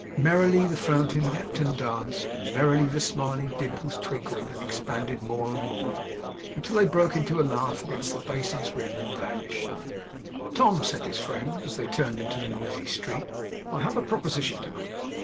Merrily the fountain leaped and danced, and merrily the smiling dimples twinkled and expanded more and more, until they broke into a laugh against the basin's rim, and vanished. 'Tom,' said his friend, as they turned into the noisy street, 'I have a proposition to make.